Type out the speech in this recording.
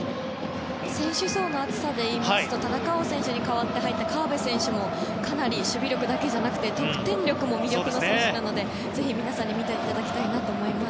選手層の厚さでいいますと田中碧選手に代わって入った川辺選手も得点力も魅力の選手なのでぜひ皆さんに見ていただきたいなと思います。